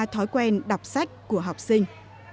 thói quen đọc sách của học sinh